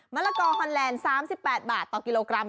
ละกอฮอนแลนด์๓๘บาทต่อกิโลกรัม